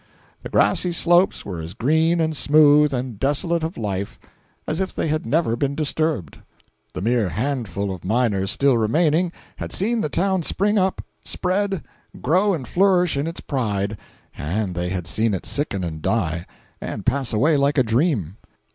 The grassy slopes were as green and smooth and desolate of life as if they had never been disturbed. The mere handful of miners still remaining, had seen the town spring up spread, grow and flourish in its pride; and they had seen it sicken and die, and pass away like a dream.